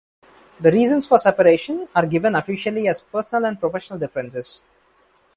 The reasons for separation are given officially as personal and professional differences.